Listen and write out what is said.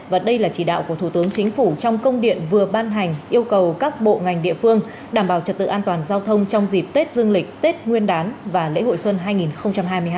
và đây là chỉ đạo của thủ tướng chính phủ trong công điện vừa ban hành yêu cầu các bộ ngành địa phương đảm bảo trật tự an toàn giao thông trong dịp tết dương lịch tết nguyên đán và lễ hội xuân hai nghìn hai mươi hai